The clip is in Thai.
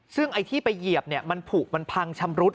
ซึ่งไอ้ที่ไปเหยียบมันผูกมันพังชำรุด